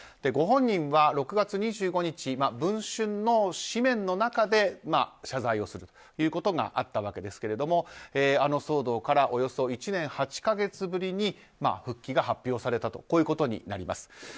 ご本人は６月２５日「文春」の紙面の中で謝罪をすることがあったわけですけれどもあの騒動からおよそ１年８か月ぶりに復帰が発表されたということになります。